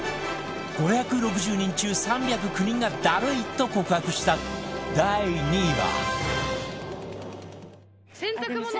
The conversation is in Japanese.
５６０人中３０９人がダルいと告白した第２位は